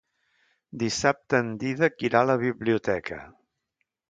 Dissabte en Dídac irà a la biblioteca.